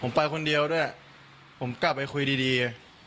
ผมไปคนเดียวด้วยผมกลับไปคุยดี